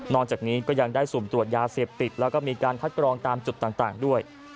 จากนี้ก็ยังได้สุ่มตรวจยาเสพติดแล้วก็มีการคัดกรองตามจุดต่างด้วย